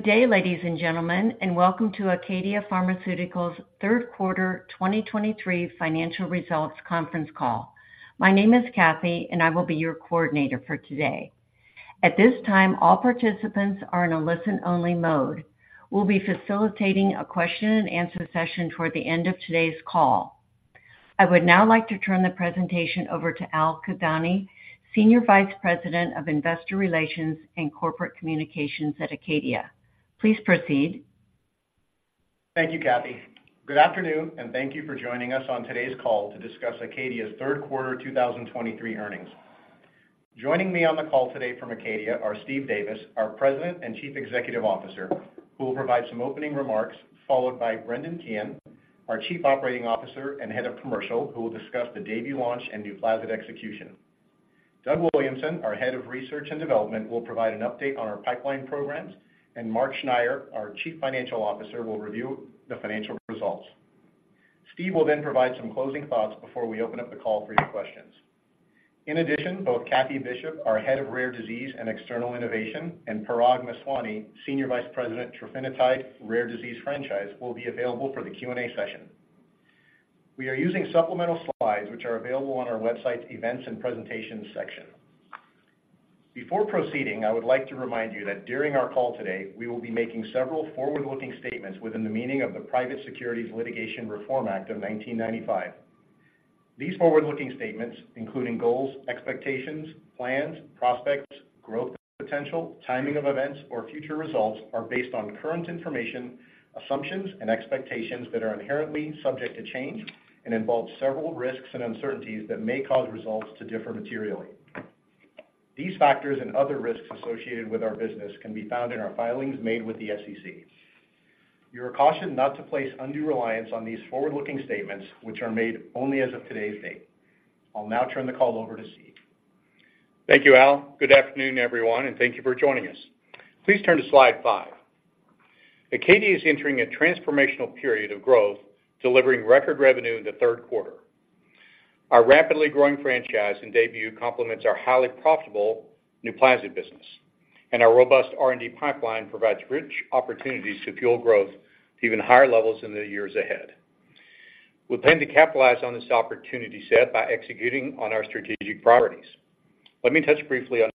Good day, ladies and gentlemen, and welcome to Acadia Pharmaceuticals' third quarter 2023 financial results conference call. My name is Kathy, and I will be your coordinator for today. At this time, all participants are in a listen-only mode. We'll be facilitating a question and answer session toward the end of today's call. I would now like to turn the presentation over to Al Kildani, Senior Vice President of Investor Relations and Corporate Communications at Acadia. Please proceed. Thank you, Kathie. Good afternoon, and thank you for joining us on today's call to discuss Acadia's third quarter 2023 earnings. Joining me on the call today from Acadia are Steve Davis, our President and Chief Executive Officer, who will provide some opening remarks, followed by Brendan Teehan, our Chief Operating Officer and Head of Commercial, who will discuss the debut launch and NUPLAZID execution. Doug Williamson, our Head of Research and Development, will provide an update on our pipeline programs, and Mark Schneyer, our Chief Financial Officer, will review the financial results. Steve will then provide some closing thoughts before we open up the call for your questions. In addition, both Kathie Bishop, our Head of Rare Disease and External Innovation, and Parag Meswani, Senior Vice President, Trofinetide Rare Disease Franchise, will be available for the Q&A session. We are using supplemental slides, which are available on our website's Events and Presentations section. Before proceeding, I would like to remind you that during our call today, we will be making several forward-looking statements within the meaning of the Private Securities Litigation Reform Act of 1995. These forward-looking statements, including goals, expectations, plans, prospects, growth potential, timing of events, or future results, are based on current information, assumptions, and expectations that are inherently subject to change and involve several risks and uncertainties that may cause results to differ materially. These factors and other risks associated with our business can be found in our filings made with the SEC. You are cautioned not to place undue reliance on these forward-looking statements, which are made only as of today's date. I'll now turn the call over to Steve. Thank you, Al. Good afternoon, everyone, and thank you for joining us. Please turn to slide five. Acadia is entering a transformational period of growth, delivering record revenue in the third quarter. Our rapidly growing franchise in DAYBUE complements our highly profitable NUPLAZID business, and our robust R&D pipeline provides rich opportunities to fuel growth to even higher levels in the years ahead. We plan to capitalize on this opportunity set by executing on our strategic priorities. Let me touch briefly on...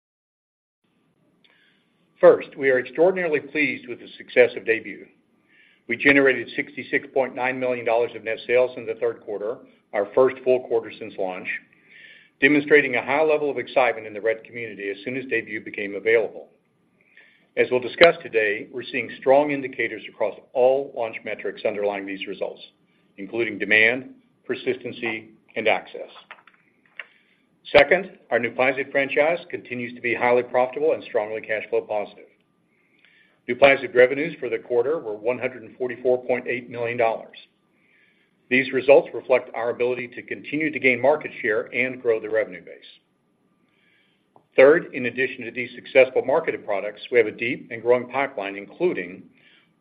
First, we are extraordinarily pleased with the success of DAYBUE. We generated $66.9 million of net sales in the third quarter, our first full quarter since launch, demonstrating a high level of excitement in the Rett community as soon as DAYBUE became available. As we'll discuss today, we're seeing strong indicators across all launch metrics underlying these results, including demand, persistency, and access. Second, our NUPLAZID franchise continues to be highly profitable and strongly cash flow positive. NUPLAZID revenues for the quarter were $144.8 million. These results reflect our ability to continue to gain market share and grow the revenue base. Third, in addition to these successful marketed products, we have a deep and growing pipeline, including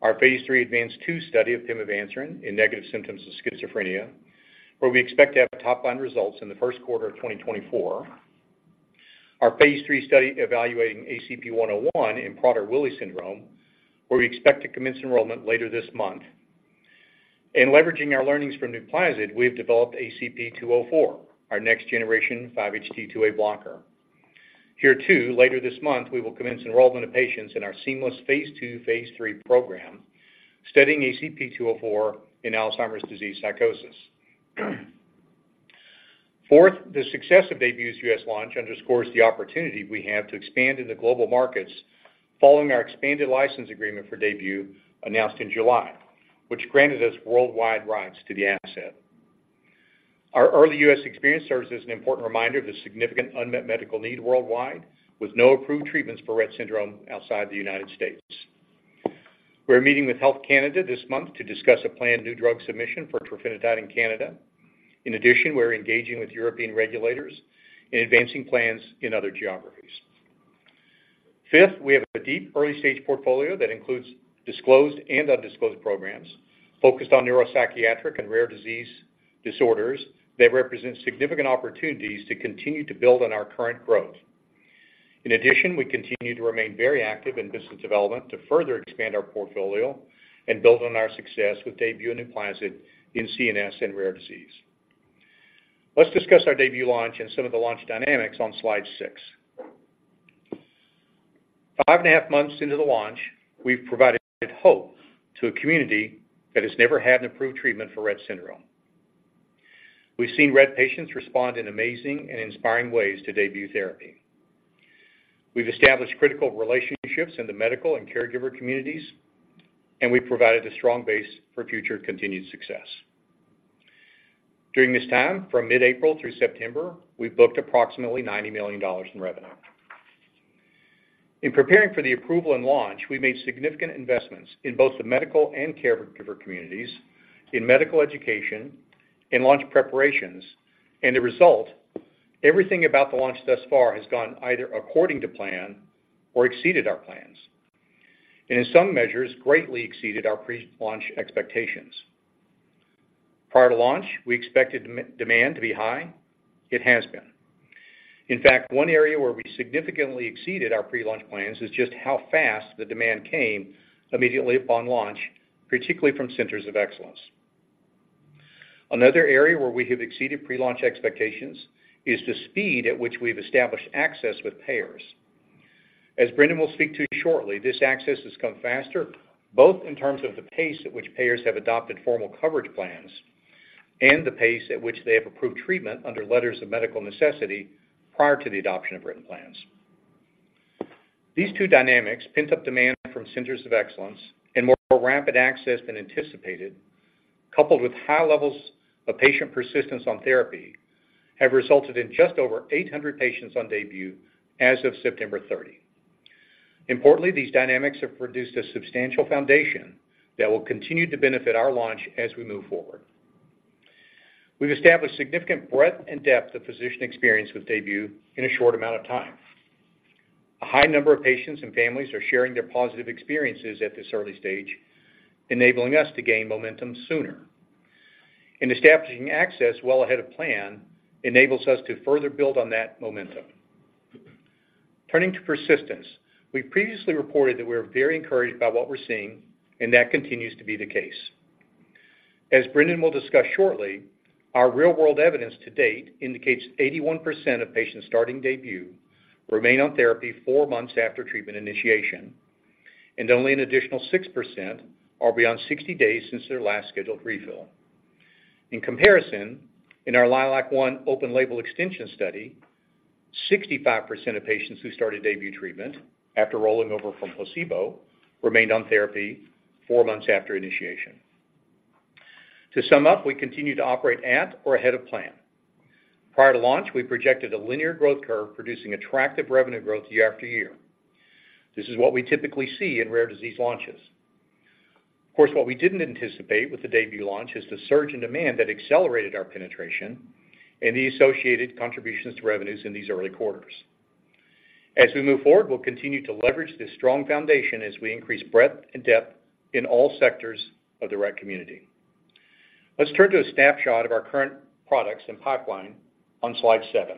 our Phase III ADVANCE-2 study of pimavanserin in negative symptoms of schizophrenia, where we expect to have top line results in the first quarter of 2024. Our Phase III study evaluating ACP-101 in Prader-Willi syndrome, where we expect to commence enrollment later this month. In leveraging our learnings from NUPLAZID, we have developed ACP-204, our next generation 5-HT2A blocker. Here, too, later this month, we will commence enrollment of patients in our seamless Phase II, Phase III program, studying ACP-204 in Alzheimer's disease psychosis. Fourth, the success of DAYBUE's U.S. launch underscores the opportunity we have to expand in the global markets following our expanded license agreement for DAYBUE, announced in July, which granted us worldwide rights to the asset. Our early U.S. experience serves as an important reminder of the significant unmet medical need worldwide, with no approved treatments for Rett Syndrome outside the United States. We're meeting with Health Canada this month to discuss a planned new drug submission for trofinetide in Canada. In addition, we're engaging with European regulators in advancing plans in other geographies. Fifth, we have a deep early-stage portfolio that includes disclosed and undisclosed programs focused on neuropsychiatric and rare disease disorders that represent significant opportunities to continue to build on our current growth. In addition, we continue to remain very active in business development to further expand our portfolio and build on our success with DAYBUE and NUPLAZID in CNS and rare disease. Let's discuss our DAYBUE launch and some of the launch dynamics on slide six. Five and a half months into the launch, we've provided hope to a community that has never had an approved treatment for Rett syndrome. We've seen Rett patients respond in amazing and inspiring ways to DAYBUE therapy. We've established critical relationships in the medical and caregiver communities, and we've provided a strong base for future continued success. During this time, from mid-April through September, we've booked approximately $90 million in revenue. In preparing for the approval and launch, we made significant investments in both the medical and caregiver communities, in medical education, in launch preparations, and the result, everything about the launch thus far has gone either according to plan or exceeded our plans, and in some measures, greatly exceeded our pre-launch expectations. Prior to launch, we expected demand to be high. It has been. In fact, one area where we significantly exceeded our pre-launch plans is just how fast the demand came immediately upon launch, particularly from centers of excellence. Another area where we have exceeded pre-launch expectations is the speed at which we've established access with payers. As Brendan will speak to shortly, this access has come faster, both in terms of the pace at which payers have adopted formal coverage plans and the pace at which they have approved treatment under letters of medical necessity prior to the adoption of written plans. These two dynamics, pent-up demand from centers of excellence and more rapid access than anticipated, coupled with high levels of patient persistence on therapy, have resulted in just over 800 patients on DAYBUE as of September 30. Importantly, these dynamics have produced a substantial foundation that will continue to benefit our launch as we move forward. We've established significant breadth and depth of physician experience with DAYBUE in a short amount of time. A high number of patients and families are sharing their positive experiences at this early stage, enabling us to gain momentum sooner. Establishing access well ahead of plan enables us to further build on that momentum. Turning to persistence, we previously reported that we are very encouraged by what we're seeing, and that continues to be the case. As Brendan will discuss shortly, our real-world evidence to date indicates 81% of patients starting DAYBUE remain on therapy four months after treatment initiation, and only an additional 6% are beyond 60 days since their last scheduled refill. In comparison, in our LILAC-I open-label extension study, 65% of patients who started DAYBUE treatment after rolling over from placebo remained on therapy four months after initiation. To sum up, we continue to operate at or ahead of plan. Prior to launch, we projected a linear growth curve producing attractive revenue growth year after year. This is what we typically see in rare disease launches. Of course, what we didn't anticipate with the debut launch is the surge in demand that accelerated our penetration and the associated contributions to revenues in these early quarters. As we move forward, we'll continue to leverage this strong foundation as we increase breadth and depth in all sectors of the Rett community. Let's turn to a snapshot of our current products and pipeline on slide seven.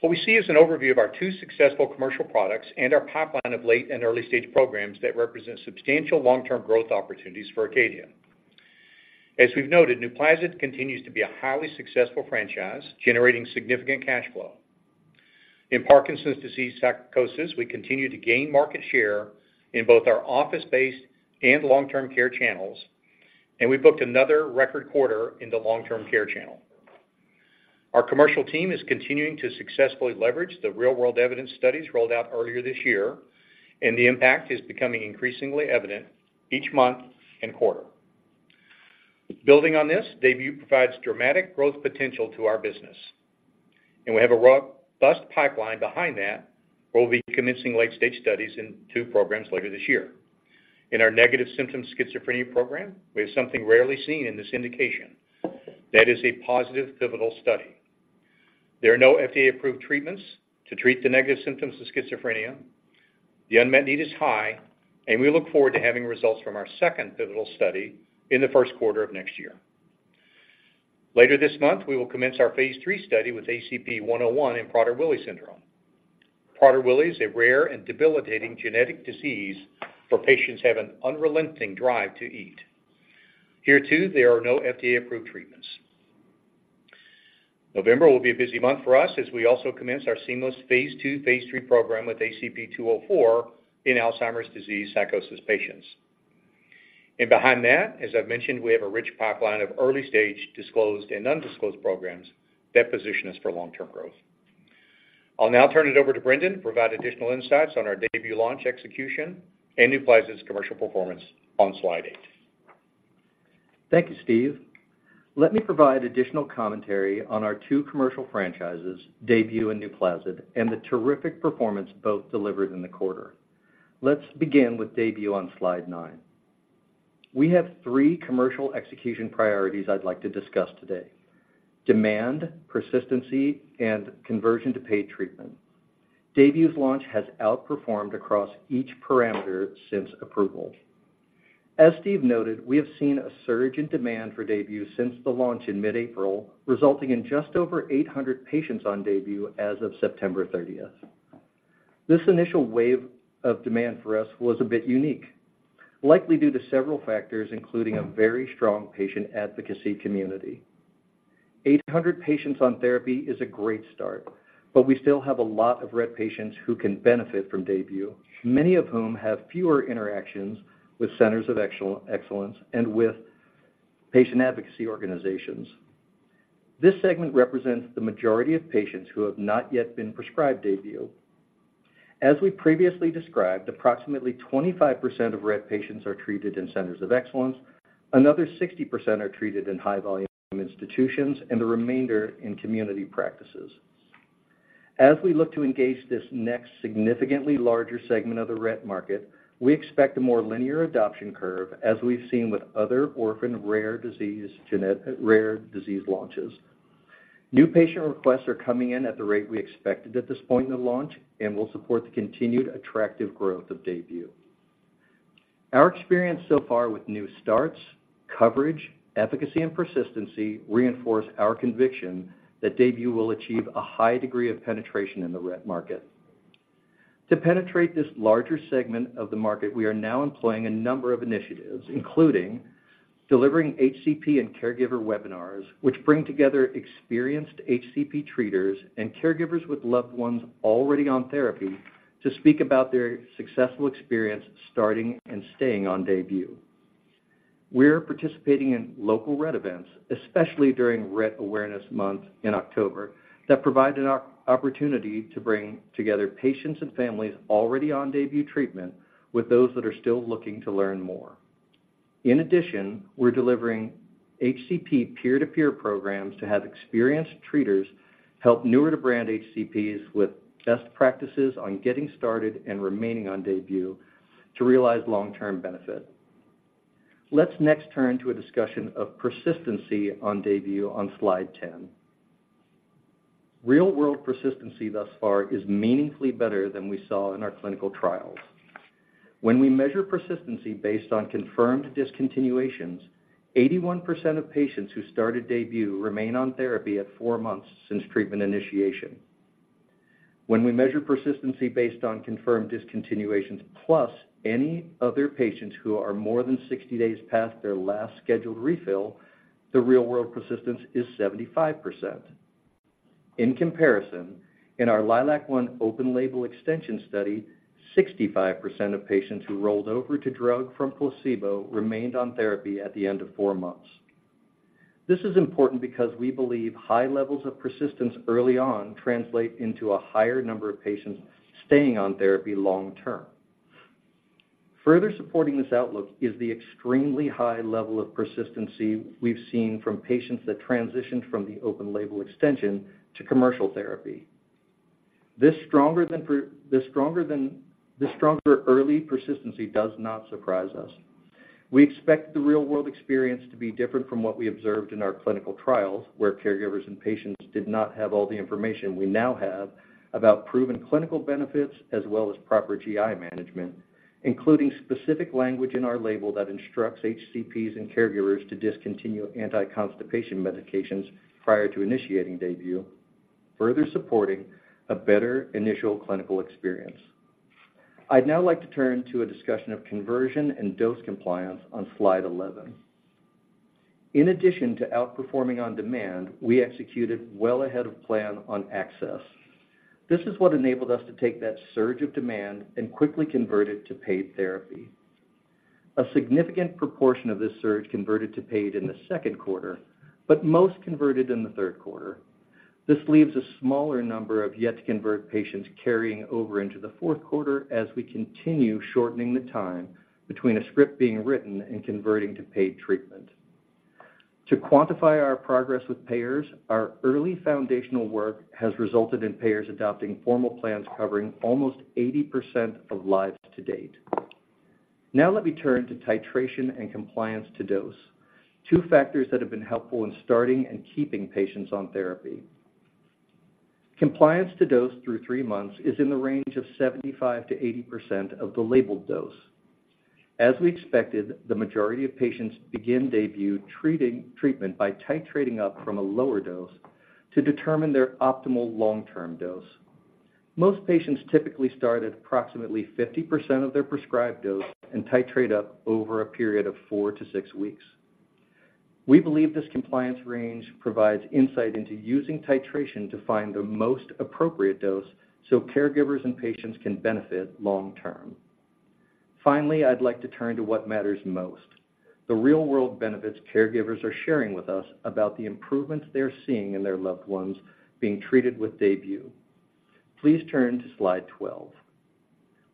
What we see is an overview of our two successful commercial products and our pipeline of late and early stage programs that represent substantial long-term growth opportunities for Acadia. As we've noted, NUPLAZID continues to be a highly successful franchise, generating significant cash flow. In Parkinson's Disease Psychosis, we continue to gain market share in both our office-based and long-term care channels, and we booked another record quarter in the long-term care channel. Our commercial team is continuing to successfully leverage the real-world evidence studies rolled out earlier this year, and the impact is becoming increasingly evident each month and quarter. Building on this, DAYBUE provides dramatic growth potential to our business, and we have a robust pipeline behind that, where we'll be commencing late-stage studies in two programs later this year. In our negative symptom schizophrenia program, we have something rarely seen in this indication. That is a positive pivotal study. There are no FDA-approved treatments to treat the negative symptoms of schizophrenia. The unmet need is high, and we look forward to having results from our second pivotal study in the first quarter of next year. Later this month, we will commence our Phase III study with ACP-101 in Prader-Willi syndrome. Prader-Willi is a rare and debilitating genetic disease, where patients have an unrelenting drive to eat. Here, too, there are no FDA-approved treatments. November will be a busy month for us as we also commence our seamless Phase II, Phase III program with ACP-204 in Alzheimer's disease psychosis patients. And behind that, as I've mentioned, we have a rich pipeline of early-stage, disclosed and undisclosed programs that position us for long-term growth. I'll now turn it over to Brendan to provide additional insights on our debut launch execution and NUPLAZID's commercial performance on slide eight. Thank you, Steve. Let me provide additional commentary on our two commercial franchises, DAYBUE and NUPLAZID, and the terrific performance both delivered in the quarter. Let's begin with DAYBUE on slide nine. We have three commercial execution priorities I'd like to discuss today: demand, persistency, and conversion to paid treatment. DAYBUE's launch has outperformed across each parameter since approval. As Steve noted, we have seen a surge in demand for DAYBUE since the launch in mid-April, resulting in just over 800 patients on DAYBUE as of September 30th. This initial wave of demand for us was a bit unique, likely due to several factors, including a very strong patient advocacy community. 800 patients on therapy is a great start, but we still have a lot of Rett patients who can benefit from DAYBUE, many of whom have fewer interactions with centers of excellence and with patient advocacy organizations. This segment represents the majority of patients who have not yet been prescribed DAYBUE. As we previously described, approximately 25% of Rett patients are treated in centers of excellence, another 60% are treated in high-volume institutions, and the remainder in community practices. As we look to engage this next significantly larger segment of the Rett market, we expect a more linear adoption curve, as we've seen with other orphan rare disease launches.... New patient requests are coming in at the rate we expected at this point in the launch and will support the continued attractive growth of DAYBUE. Our experience so far with new starts, coverage, efficacy, and persistency reinforce our conviction that DAYBUE will achieve a high degree of penetration in the Rett market. To penetrate this larger segment of the market, we are now employing a number of initiatives, including delivering HCP and caregiver webinars, which bring together experienced HCP treaters and caregivers with loved ones already on therapy to speak about their successful experience starting and staying on DAYBUE. We're participating in local Rett events, especially during Rett Awareness Month in October, that provide an opportunity to bring together patients and families already on DAYBUE treatment with those that are still looking to learn more. In addition, we're delivering HCP peer-to-peer programs to have experienced treaters help newer-to-brand HCPs with best practices on getting started and remaining on DAYBUE to realize long-term benefit. Let's next turn to a discussion of persistency on DAYBUE on slide 10. Real-world persistency thus far is meaningfully better than we saw in our clinical trials. When we measure persistency based on confirmed discontinuations, 81% of patients who started DAYBUE remain on therapy at four months since treatment initiation. When we measure persistency based on confirmed discontinuations, plus any other patients who are more than 60 days past their last scheduled refill, the real-world persistence is 75%. In comparison, in our LILAC-I open-label extension study, 65% of patients who rolled over to drug from placebo remained on therapy at the end of four months. This is important because we believe high levels of persistence early on translate into a higher number of patients staying on therapy long term. Further supporting this outlook is the extremely high level of persistency we've seen from patients that transitioned from the open-label extension to commercial therapy. This stronger early persistency does not surprise us. We expect the real-world experience to be different from what we observed in our clinical trials, where caregivers and patients did not have all the information we now have about proven clinical benefits, as well as proper GI management, including specific language in our label that instructs HCPs and caregivers to discontinue anti-constipation medications prior to initiating DAYBUE, further supporting a better initial clinical experience. I'd now like to turn to a discussion of conversion and dose compliance on slide 11. In addition to outperforming on demand, we executed well ahead of plan on access. This is what enabled us to take that surge of demand and quickly convert it to paid therapy. A significant proportion of this surge converted to paid in the second quarter, but most converted in the third quarter. This leaves a smaller number of yet-to-convert patients carrying over into the fourth quarter as we continue shortening the time between a script being written and converting to paid treatment. To quantify our progress with payers, our early foundational work has resulted in payers adopting formal plans covering almost 80% of lives to date. Now let me turn to titration and compliance to dose, two factors that have been helpful in starting and keeping patients on therapy. Compliance to dose through three months is in the range of 75%-80% of the labeled dose. As we expected, the majority of patients begin DAYBUE treatment by titrating up from a lower dose to determine their optimal long-term dose. Most patients typically start at approximately 50% of their prescribed dose and titrate up over a period of four to six weeks. We believe this compliance range provides insight into using titration to find the most appropriate dose, so caregivers and patients can benefit long term. Finally, I'd like to turn to what matters most, the real-world benefits caregivers are sharing with us about the improvements they're seeing in their loved ones being treated with DAYBUE. Please turn to slide 12.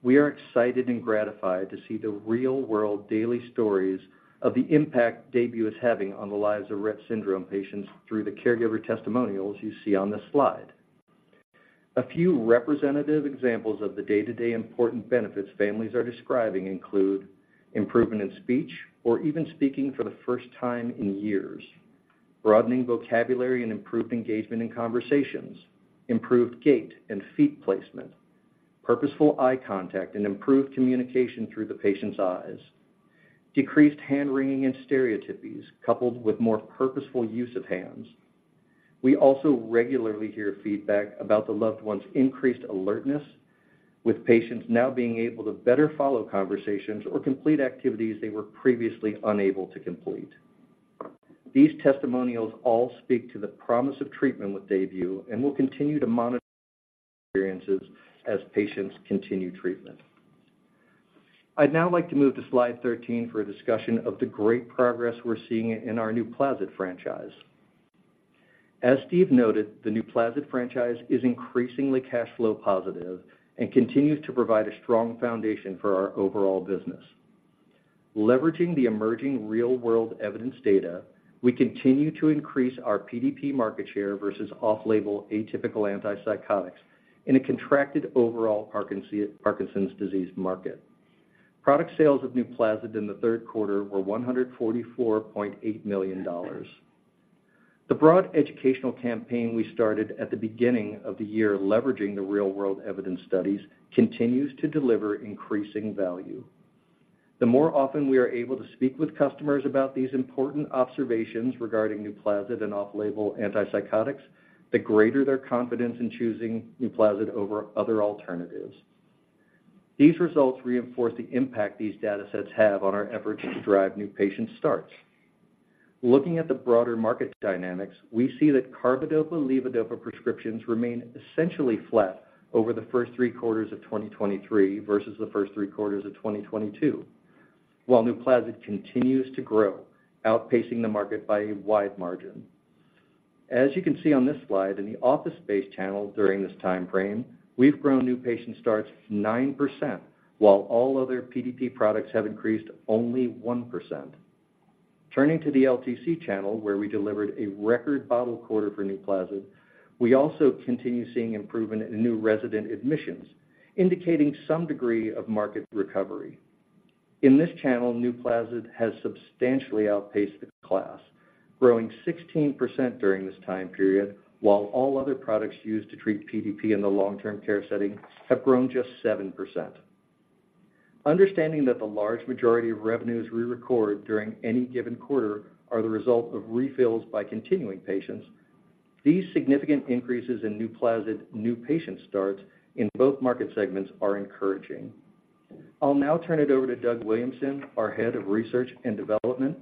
We are excited and gratified to see the real-world daily stories of the impact DAYBUE is having on the lives of Rett Syndrome patients through the caregiver testimonials you see on this slide. A few representative examples of the day-to-day important benefits families are describing include: improvement in speech or even speaking for the first time in years, broadening vocabulary and improved engagement in conversations, improved gait and feet placement, purposeful eye contact and improved communication through the patient's eyes, decreased hand wringing and stereotypies, coupled with more purposeful use of hands. We also regularly hear feedback about the loved one's increased alertness, with patients now being able to better follow conversations or complete activities they were previously unable to complete. These testimonials all speak to the promise of treatment with DAYBUE, and we'll continue to monitor experiences as patients continue treatment. I'd now like to move to slide 13 for a discussion of the great progress we're seeing in our NUPLAZID franchise. As Steve noted, the NUPLAZID franchise is increasingly cash flow positive and continues to provide a strong foundation for our overall business. Leveraging the emerging real-world evidence data, we continue to increase our PDP market share versus off-label atypical antipsychotics in a contracted overall Parkinson's, Parkinson's disease market. Product sales of NUPLAZID in the third quarter were $144.8 million. The broad educational campaign we started at the beginning of the year, leveraging the real-world evidence studies, continues to deliver increasing value. The more often we are able to speak with customers about these important observations regarding NUPLAZID and off-label antipsychotics, the greater their confidence in choosing NUPLAZID over other alternatives. These results reinforce the impact these data sets have on our efforts to drive new patient starts. Looking at the broader market dynamics, we see that Carbidopa/Levodopa prescriptions remain essentially flat over the first three quarters of 2023 versus the first three quarters of 2022, while NUPLAZID continues to grow, outpacing the market by a wide margin. As you can see on this slide, in the office-based channel during this time frame, we've grown new patient starts 9%, while all other PDP products have increased only 1%. Turning to the LTC channel, where we delivered a record bottle quarter for NUPLAZID, we also continue seeing improvement in new resident admissions, indicating some degree of market recovery. In this channel, NUPLAZID has substantially outpaced the class, growing 16% during this time period, while all other products used to treat PDP in the long-term care setting have grown just 7%. Understanding that the large majority of revenues we record during any given quarter are the result of refills by continuing patients, these significant increases in NUPLAZID new patient starts in both market segments are encouraging. I'll now turn it over to Doug Williamson, our Head of Research and Development,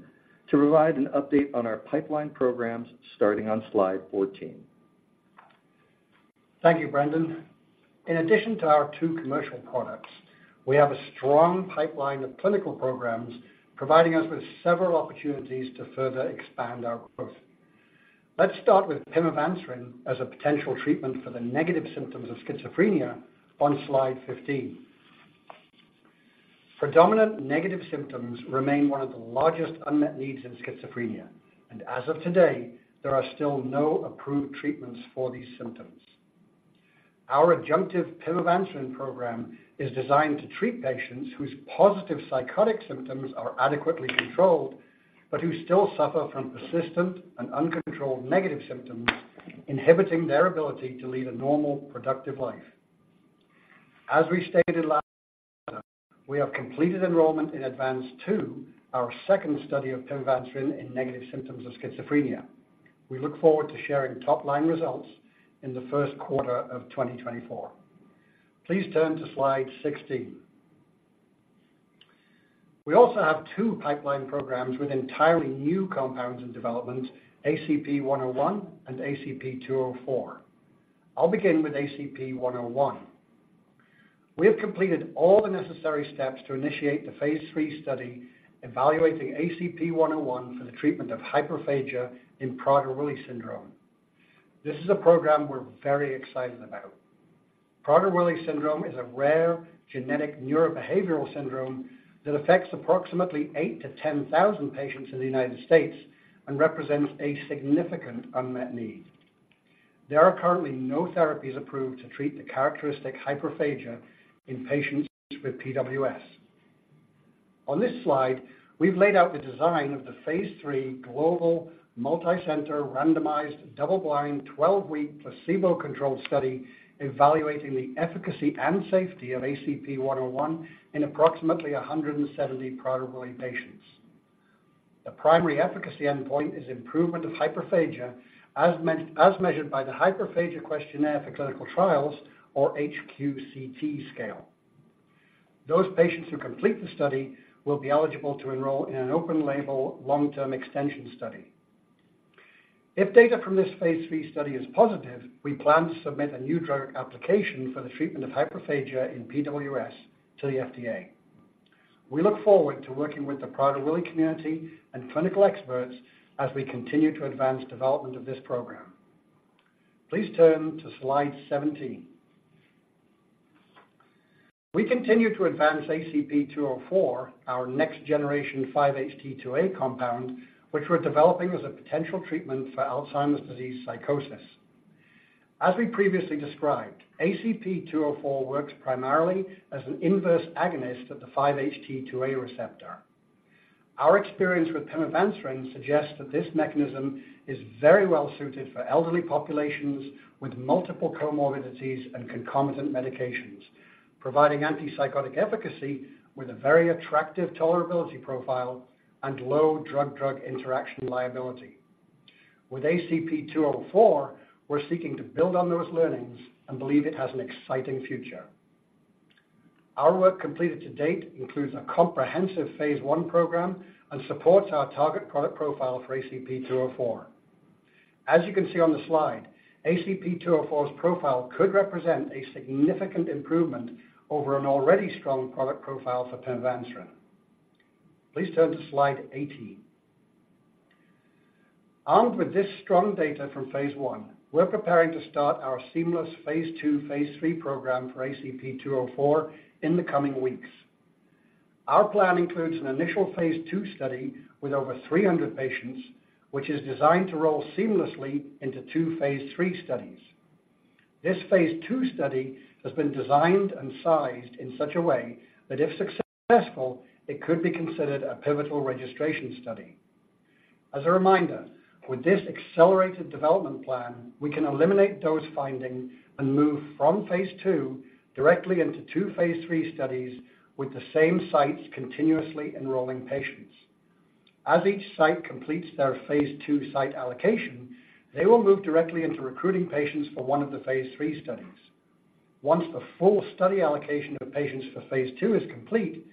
to provide an update on our pipeline programs, starting on slide 14. Thank you, Brendan. In addition to our two commercial products, we have a strong pipeline of clinical programs providing us with several opportunities to further expand our growth. Let's start with pimavanserin as a potential treatment for the negative symptoms of schizophrenia on slide 15. Predominant negative symptoms remain one of the largest unmet needs in schizophrenia, and as of today, there are still no approved treatments for these symptoms. Our adjunctive pimavanserin program is designed to treat patients whose positive psychotic symptoms are adequately controlled, but who still suffer from persistent and uncontrolled negative symptoms, inhibiting their ability to lead a normal, productive life. As we stated last quarter, we have completed enrollment in ADVANCE-2, our second study of pimavanserin in negative symptoms of schizophrenia. We look forward to sharing top-line results in the first quarter of 2024. Please turn to slide 16. We also have two pipeline programs with entirely new compounds in development, ACP-101 and ACP-204. I'll begin with ACP-101. We have completed all the necessary steps to initiate the Phase III study, evaluating ACP-101 for the treatment of hyperphagia in Prader-Willi syndrome. This is a program we're very excited about. Prader-Willi syndrome is a rare genetic neurobehavioral syndrome that affects approximately 8,000-10,000 patients in the United States and represents a significant unmet need. There are currently no therapies approved to treat the characteristic hyperphagia in patients with PWS. On this slide, we've laid out the design of the Phase III global, multicenter, randomized, double-blind, 12-week, placebo-controlled study, evaluating the efficacy and safety of ACP-101 in approximately 170 Prader-Willi patients. The primary efficacy endpoint is improvement of hyperphagia, as measured by the Hyperphagia Questionnaire for Clinical Trials, or HQCT scale. Those patients who complete the study will be eligible to enroll in an open-label, long-term extension study. If data from this Phase III study is positive, we plan to submit a new drug application for the treatment of hyperphagia in PWS to the FDA. We look forward to working with the Prader-Willi community and clinical experts as we continue to advance development of this program. Please turn to slide 17. We continue to advance ACP-204, our next generation 5-HT2A compound, which we're developing as a potential treatment for Alzheimer's disease psychosis. As we previously described, ACP-204 works primarily as an inverse agonist of the 5-HT2A receptor. Our experience with pimavanserin suggests that this mechanism is very well suited for elderly populations with multiple comorbidities and concomitant medications, providing antipsychotic efficacy with a very attractive tolerability profile and low drug-drug interaction liability. With ACP-204, we're seeking to build on those learnings and believe it has an exciting future. Our work completed to date includes a comprehensive Phase I program and supports our target product profile for ACP-204. As you can see on the slide, ACP-204's profile could represent a significant improvement over an already strong product profile for pimavanserin. Please turn to slide 18. Armed with this strong data from phase one, we're preparing to start our seamless phase II, Phase III program for ACP-204 in the coming weeks. Our plan includes an initial Phase III study with over 300 patients, which is designed to roll seamlessly into two phase three studies. This phase II study has been designed and sized in such a way that if successful, it could be considered a pivotal registration study. As a reminder, with this accelerated development plan, we can eliminate dose finding and move from Phase II directly into two Phase III studies with the same sites continuously enrolling patients. As each site completes their Phase II site allocation, they will move directly into recruiting patients for one of the Phase III studies. Once the full study allocation of patients for Phase II is complete,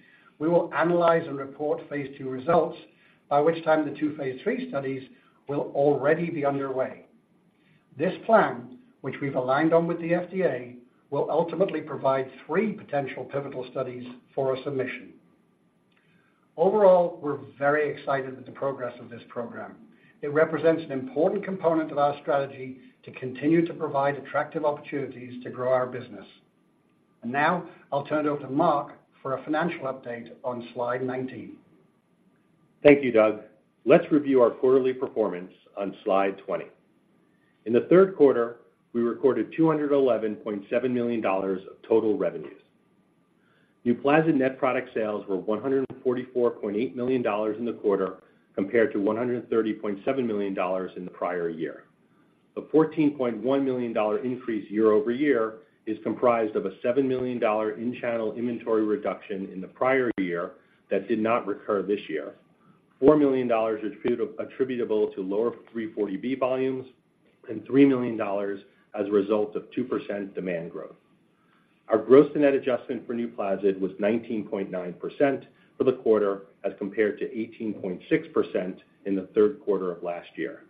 we will analyze and report Phase II results, by which time the two Phase III studies will already be underway. This plan, which we've aligned on with the FDA, will ultimately provide three potential pivotal studies for a submission. Overall, we're very excited with the progress of this program. It represents an important component of our strategy to continue to provide attractive opportunities to grow our business. Now I'll turn it over to Mark for a financial update on slide 19. Thank you, Doug. Let's review our quarterly performance on slide 20. In the third quarter, we recorded $211.7 million of total revenues. NUPLAZID net product sales were $144.8 million in the quarter, compared to $130.7 million in the prior year. The $14.1 million increase year-over-year is comprised of a $7 million in-channel inventory reduction in the prior year that did not recur this year. $4 million is attributable to lower 340B volumes and $3 million as a result of 2% demand growth. Our gross-to-net adjustment for NUPLAZID was 19.9% for the quarter, as compared to 18.6% in the third quarter of last year.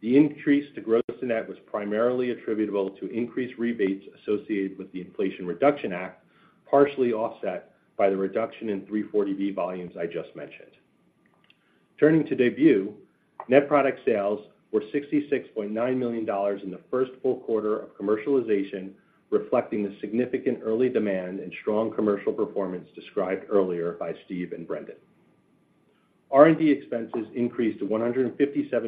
The increase to gross-to-net was primarily attributable to increased rebates associated with the Inflation Reduction Act, partially offset by the reduction in 340B volumes I just mentioned. Turning to DAYBUE, net product sales were $66.9 million in the first full quarter of commercialization, reflecting the significant early demand and strong commercial performance described earlier by Steve and Brendan. R&D expenses increased to $157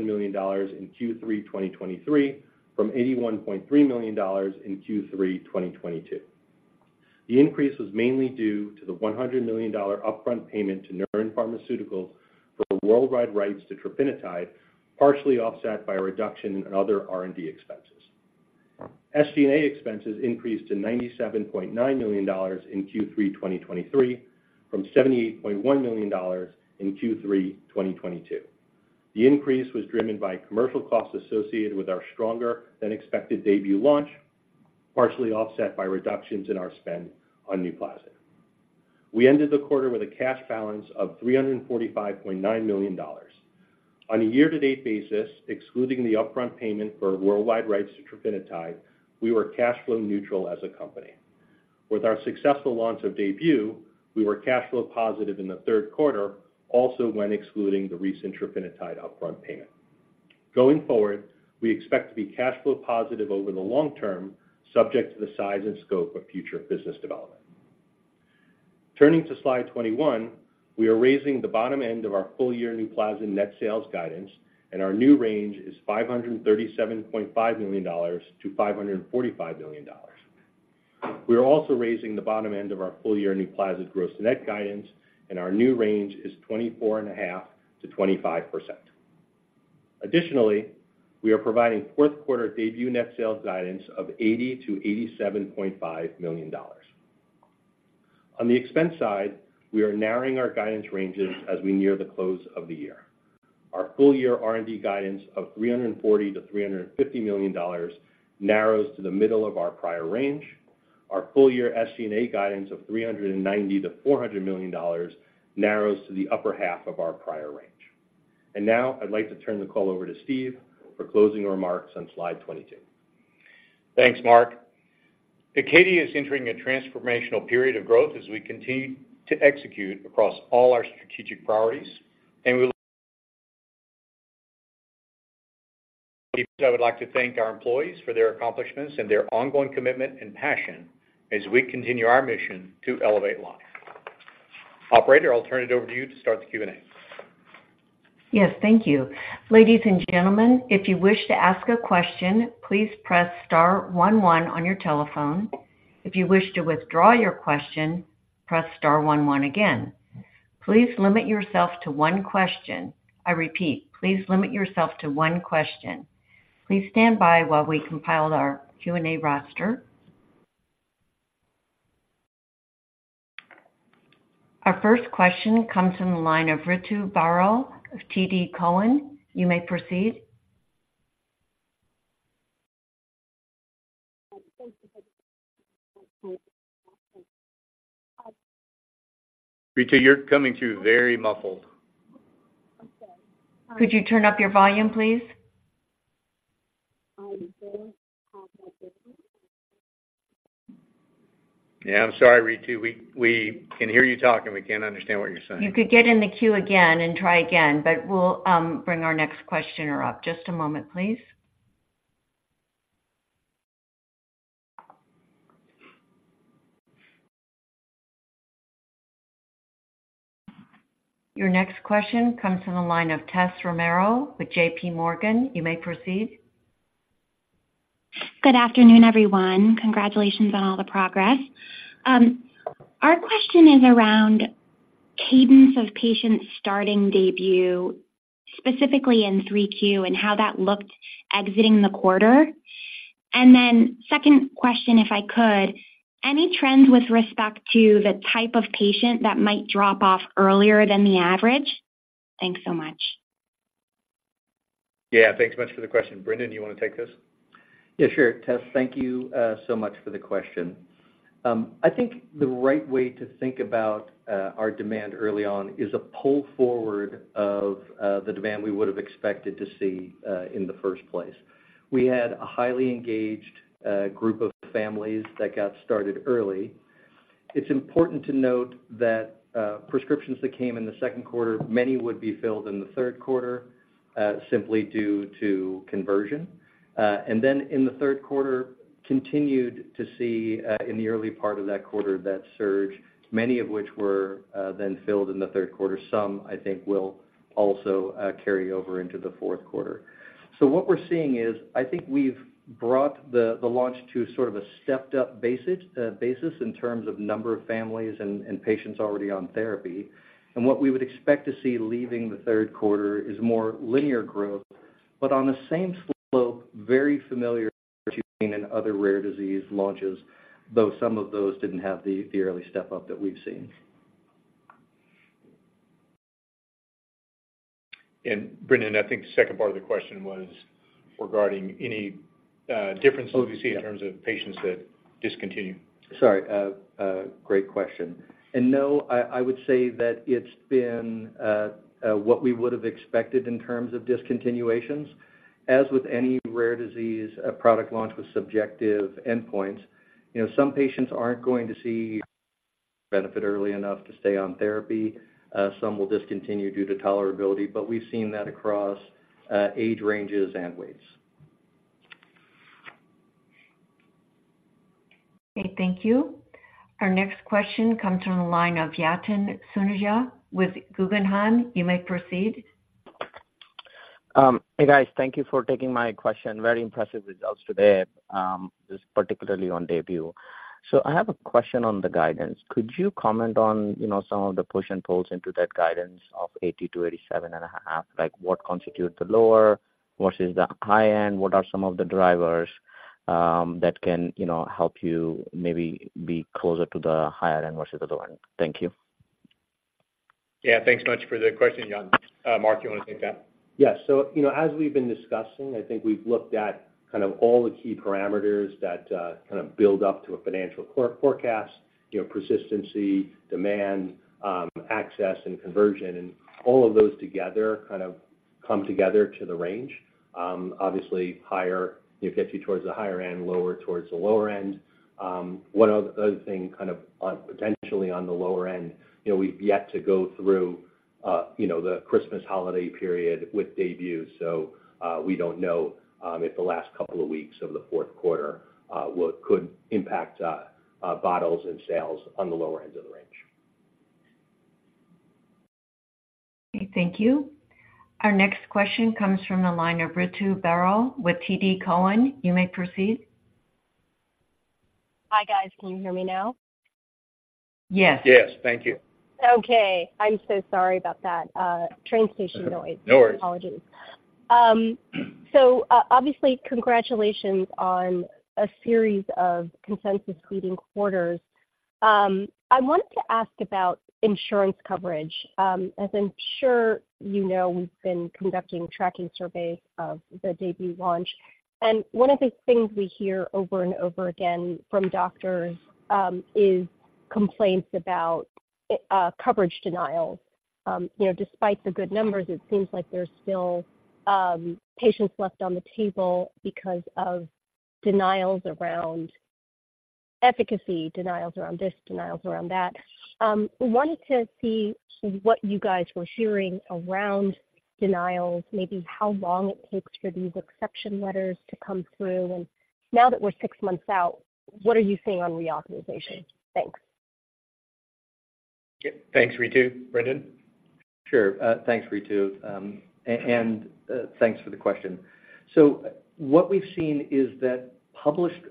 million in Q3 2023, from $81.3 million in Q3 2022. The increase was mainly due to the $100 million upfront payment to Neuren Pharmaceuticals for the worldwide rights to trofinetide, partially offset by a reduction in other R&D expenses. SG&A expenses increased to $97.9 million in Q3 2023, from $78.1 million in Q3 2022. The increase was driven by commercial costs associated with our stronger than expected DAYBUE launch, partially offset by reductions in our spend on NUPLAZID. We ended the quarter with a cash balance of $345.9 million. On a year-to-date basis, excluding the upfront payment for worldwide rights to trofinetide, we were cash flow neutral as a company. With our successful launch of DAYBUE, we were cash flow positive in the third quarter, also when excluding the recent trofinetide upfront payment. Going forward, we expect to be cash flow positive over the long term, subject to the size and scope of future business development. Turning to slide 21, we are raising the bottom end of our full year NUPLAZID net sales guidance, and our new range is $537.5 million-$545 million. We are also raising the bottom end of our full-year NUPLAZID gross-to-net guidance, and our new range is 24.5%-25%. Additionally, we are providing fourth quarter DAYBUE net sales guidance of $80 million-$87.5 million. On the expense side, we are narrowing our guidance ranges as we near the close of the year. Our full-year R&D guidance of $340 million-$350 million narrows to the middle of our prior range. Our full-year SG&A guidance of $390 million-$400 million narrows to the upper half of our prior range. Now I'd like to turn the call over to Steve for closing remarks on slide 22. Thanks, Mark. Acadia is entering a transformational period of growth as we continue to execute across all our strategic priorities, and I would like to thank our employees for their accomplishments and their ongoing commitment and passion as we continue our mission to elevate life. Operator, I'll turn it over to you to start the Q&A. Yes, thank you. Ladies and gentlemen, if you wish to ask a question, please press star one one on your telephone. If you wish to withdraw your question, press star one one again. Please limit yourself to one question. I repeat, please limit yourself to one question. Please stand by while we compile our Q&A roster. Our first question comes from the line of Ritu Baral of TD Cowen. You may proceed. Thank you for— Ritu, you're coming through very muffled. Could you turn up your volume, please? I do have my volume. Yeah, I'm sorry, Ritu. We can hear you talking, we can't understand what you're saying. You could get in the queue again and try again, but we'll bring our next questioner up. Just a moment, please... Your next question comes from the line of Tess Romero with J.P. Morgan. You may proceed. Good afternoon, everyone. Congratulations on all the progress. Our question is around cadence of patients starting DAYBUE, specifically in 3Q and how that looked exiting the quarter. And then second question, if I could, any trends with respect to the type of patient that might drop off earlier than the average? Thanks so much. Yeah, thanks much for the question. Brendan, do you want to take this? Yeah, sure. Tess, thank you so much for the question. I think the right way to think about our demand early on is a pull forward of the demand we would have expected to see in the first place. We had a highly engaged group of families that got started early. It's important to note that prescriptions that came in the second quarter, many would be filled in the third quarter simply due to conversion. Then in the third quarter, continued to see in the early part of that quarter that surge, many of which were then filled in the third quarter. Some, I think, will also carry over into the fourth quarter. So what we're seeing is, I think we've brought the launch to sort of a stepped-up basis in terms of number of families and patients already on therapy. And what we would expect to see leaving the third quarter is more linear growth, but on the same slope, very familiar to seeing in other rare disease launches, though some of those didn't have the early step up that we've seen. Brendan, I think the second part of the question was regarding any differences we see in terms of patients that discontinue. Sorry, great question. No, I would say that it's been what we would have expected in terms of discontinuations. As with any rare disease, a product launch with subjective endpoints, you know, some patients aren't going to see benefit early enough to stay on therapy. Some will discontinue due to tolerability, but we've seen that across age ranges and weights. Okay, thank you. Our next question comes from the line of Yatin Suneja with Guggenheim. You may proceed. Hey, guys. Thank you for taking my question. Very impressive results today, just particularly on DAYBUE. So I have a question on the guidance. Could you comment on, you know, some of the push and pulls into that guidance of $80-$87.5? Like, what constitutes the lower versus the high end? What are some of the drivers that can, you know, help you maybe be closer to the higher end versus the lower end? Thank you. Yeah, thanks much for the question, Yatin. Mark, you want to take that? Yeah. So, you know, as we've been discussing, I think we've looked at kind of all the key parameters that kind of build up to a financial forecast, you know, persistency, demand, access, and conversion, and all of those together kind of come together to the range. Obviously, higher, it gets you towards the higher end, lower towards the lower end. One other thing, kind of on potentially on the lower end, you know, we've yet to go through, you know, the Christmas holiday period with DAYBUE. So, we don't know if the last couple of weeks of the fourth quarter could impact bottles and sales on the lower end of the range. Okay, thank you. Our next question comes from the line of Ritu Baral with TD Cowen. You may proceed. Hi, guys. Can you hear me now? Yes. Yes. Thank you. Okay. I'm so sorry about that, train station noise. No worries. Apologies. So obviously, congratulations on a series of consensus-leading quarters. I wanted to ask about insurance coverage. As I'm sure you know, we've been conducting tracking surveys of the debut launch, and one of the things we hear over and over again from doctors is complaints about coverage denials. You know, despite the good numbers, it seems like there's still patients left on the table because of denials around efficacy, denials around this, denials around that. I wanted to see what you guys were hearing around denials, maybe how long it takes for these exception letters to come through. And now that we're six months out, what are you seeing on reauthorization? Thanks. Thanks, Ritu. Brendan? Sure. Thanks, Ritu, and thanks for the question. So what we've seen is that published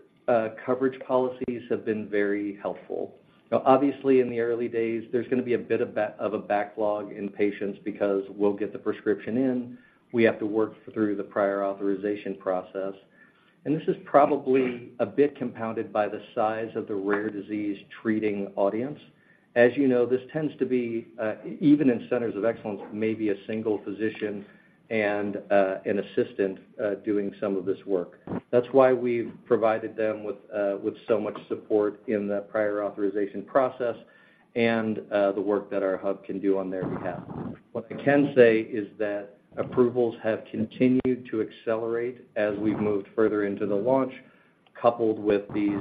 coverage policies have been very helpful. Now, obviously, in the early days, there's going to be a bit of a backlog in patients because we'll get the prescription in, we have to work through the prior authorization process. And this is probably a bit compounded by the size of the rare disease-treating audience. As you know, this tends to be even in centers of excellence, maybe a single physician and an assistant doing some of this work. That's why we've provided them with so much support in the prior authorization process and the work that our hub can do on their behalf. What I can say is that approvals have continued to accelerate as we've moved further into the launch. coupled with these,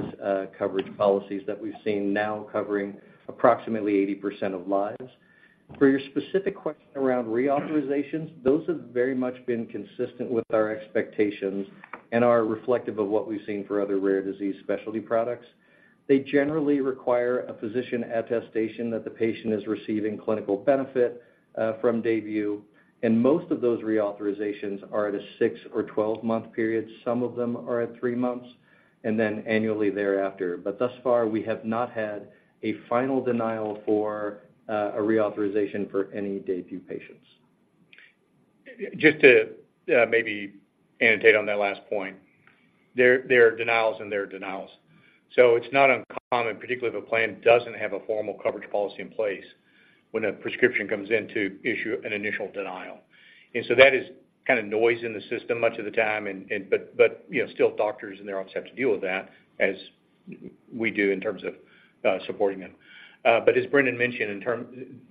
coverage policies that we've seen now covering approximately 80% of lives. For your specific question around reauthorizations, those have very much been consistent with our expectations and are reflective of what we've seen for other rare disease specialty products. They generally require a physician attestation that the patient is receiving clinical benefit, from DAYBUE, and most of those reauthorizations are at a six or 12-month period. Some of them are at three months, and then annually thereafter. But thus far, we have not had a final denial for, a reauthorization for any DAYBUE patients. Just to maybe annotate on that last point, there are denials, and there are denials. So it's not uncommon, particularly if a plan doesn't have a formal coverage policy in place, when a prescription comes in to issue an initial denial. And so that is kind of noise in the system much of the time, and but, you know, still, doctors and their office have to deal with that as we do in terms of supporting them. But as Brendan mentioned,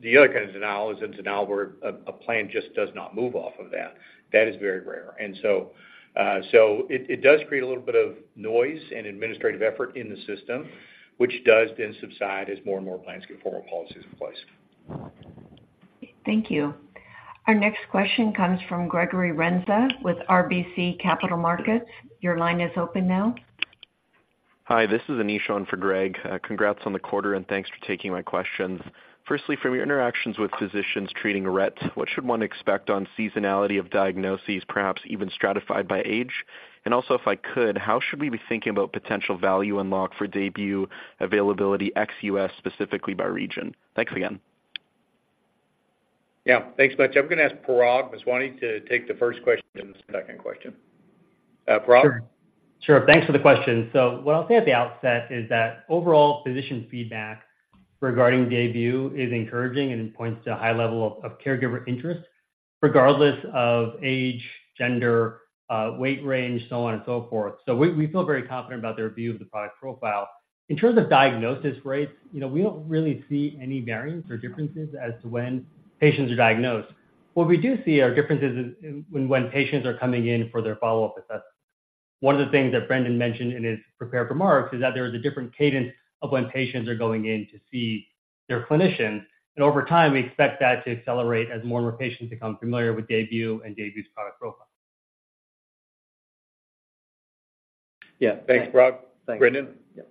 the other kind of denial is a denial where a plan just does not move off of that. That is very rare. And so, so it does create a little bit of noise and administrative effort in the system, which does then subside as more and more plans get formal policies in place. Thank you. Our next question comes from Gregory Renza with RBC Capital Markets. Your line is open now. Hi, this is Anish on for Greg. Congrats on the quarter, and thanks for taking my questions. Firstly, from your interactions with physicians treating Rett, what should one expect on seasonality of diagnoses, perhaps even stratified by age? Also, if I could, how should we be thinking about potential value unlock for DAYBUE availability ex-US, specifically by region? Thanks again. Yeah. Thanks much. I'm going to ask Parag Meswani to take the first question and the second question. Parag? Sure. Sure, thanks for the question. So what I'll say at the outset is that overall physician feedback regarding DAYBUE is encouraging and points to a high level of caregiver interest, regardless of age, gender, weight range, so on and so forth. So we feel very confident about their view of the product profile. In terms of diagnosis rates, you know, we don't really see any variance or differences as to when patients are diagnosed. What we do see are differences in when patients are coming in for their follow-up assessment. One of the things that Brendan mentioned in his prepared remarks is that there is a different cadence of when patients are going in to see their clinician, and over time, we expect that to accelerate as more and more patients become familiar with DAYBUE and DAYBUE's product profile. Yeah. Thanks, Parag. Thanks. Brendan? Yeah.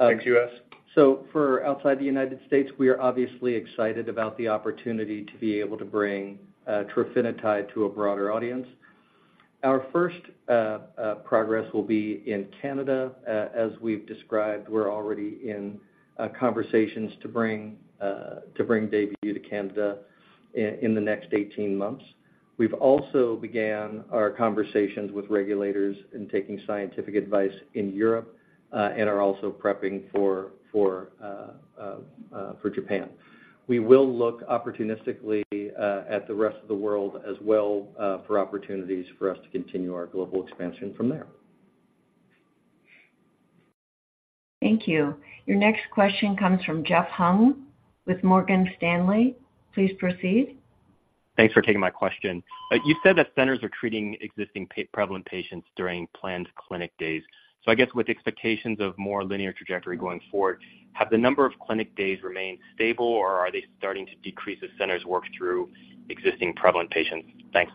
Ex-US. So for outside the United States, we are obviously excited about the opportunity to be able to bring trofinetide to a broader audience. Our first progress will be in Canada. As we've described, we're already in conversations to bring DAYBUE to Canada in the next 18 months. We've also began our conversations with regulators in taking scientific advice in Europe, and are also prepping for Japan. We will look opportunistically at the rest of the world as well for opportunities for us to continue our global expansion from there. Thank you. Your next question comes from Jeff Hung with Morgan Stanley. Please proceed. Thanks for taking my question. You said that centers are treating existing prevalent patients during planned clinic days. So I guess with expectations of more linear trajectory going forward, have the number of clinic days remained stable, or are they starting to decrease as centers work through existing prevalent patients? Thanks.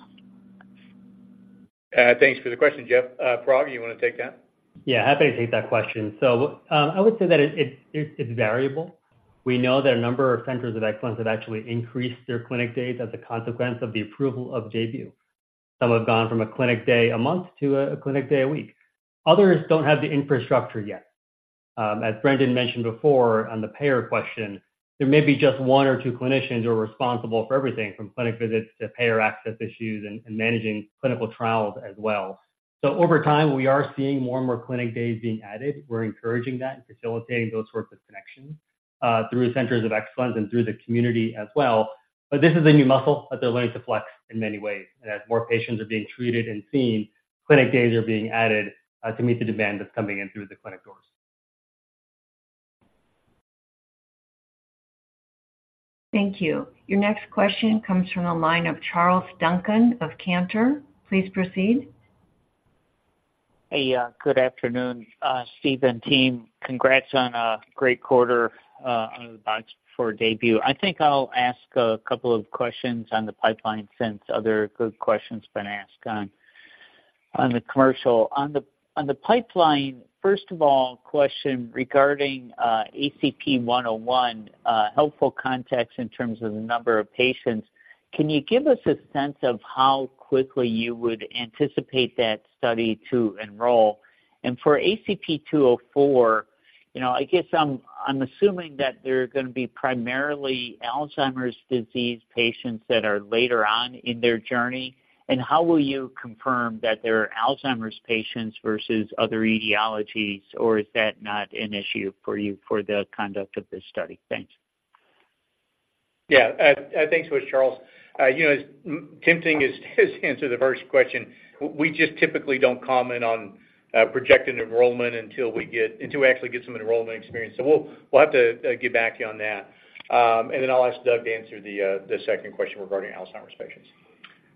Thanks for the question, Jeff. Parag, you want to take that? Yeah, happy to take that question. So, I would say that it's variable. We know that a number of centers of excellence have actually increased their clinic days as a consequence of the approval of DAYBUE. Some have gone from a clinic day a month to a clinic day a week. Others don't have the infrastructure yet. As Brendan mentioned before on the payer question, there may be just one or two clinicians who are responsible for everything, from clinic visits to payer access issues and managing clinical trials as well. So over time, we are seeing more and more clinic days being added. We're encouraging that and facilitating those sorts of connections through centers of excellence and through the community as well. But this is a new muscle that they're learning to flex in many ways. As more patients are being treated and seen, clinic days are being added to meet the demand that's coming in through the clinic doors. Thank you. Your next question comes from the line of Charles Duncan of Cantor. Please proceed. Hey, good afternoon, Steve and team. Congrats on a great quarter, out of the box for DAYBUE. I think I'll ask a couple of questions on the pipeline, since other good questions have been asked on the commercial. On the pipeline, first of all, question regarding ACP-101, helpful context in terms of the number of patients. Can you give us a sense of how quickly you would anticipate that study to enroll? And for ACP-204, you know, I guess I'm assuming that they're going to be primarily Alzheimer's disease patients that are later on in their journey. And how will you confirm that they're Alzheimer's patients versus other etiologies, or is that not an issue for you for the conduct of this study? Thanks. Yeah. Thanks, Charles. You know, as tempting as to answer the first question, we just typically don't comment on projected enrollment until we actually get some enrollment experience. So we'll have to get back to you on that. And then I'll ask Doug to answer the second question regarding Alzheimer's patients.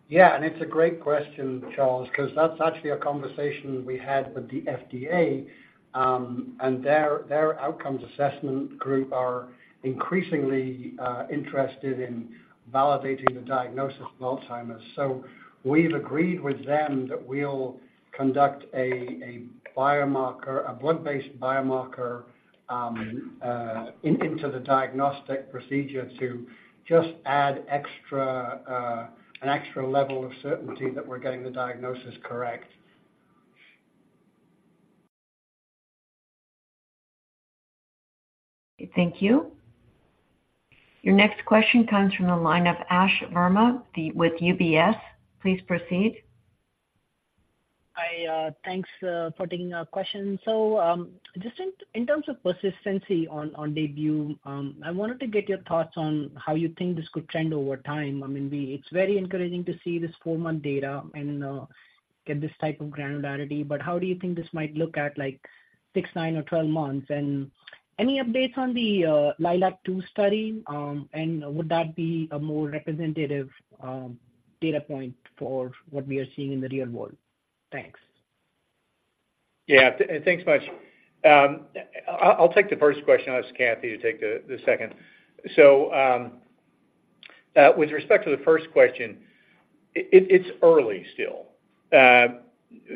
Yeah, and it's a great question, Charles, because that's actually a conversation we had with the FDA, and their outcomes assessment group are increasingly interested in validating the diagnosis of Alzheimer's. So we've agreed with them that we'll conduct a biomarker, a blood-based biomarker, into the diagnostic procedure to just add extra, an extra level of certainty that we're getting the diagnosis correct. Thank you. Your next question comes from the line of Ash Verma with UBS. Please proceed. Hi, thanks for taking our question. So, just in terms of persistency on DAYBUE, I wanted to get your thoughts on how you think this could trend over time. I mean, it's very encouraging to see this four-month data and get this type of granularity, but how do you think this might look at, like, six, nine or 12 months? And any updates on the LILAC-II study, and would that be a more representative data point for what we are seeing in the real world? Thanks. Yeah, thanks much. I'll take the first question, I'll ask Kathy to take the second. So, with respect to the first question, it's early still.